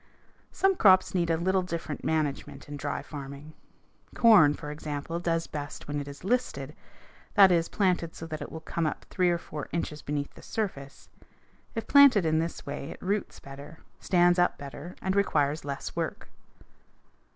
Some crops need a little different management in dry farming. Corn, for example, does best when it is listed; that is, planted so that it will come up three or four inches beneath the surface. If planted in this way, it roots better, stands up better, and requires less work.